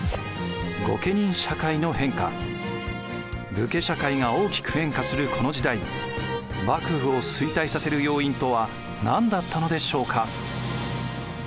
武家社会が大きく変化するこの時代幕府を衰退させる要因とは何だったのでしょうか？